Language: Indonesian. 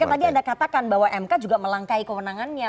karena tadi anda katakan bahwa mk juga melangkai kewenangannya